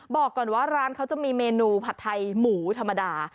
บอกก่อนว่าร้านเขาจะมีเมนูผัดไทยหมูธรรมดา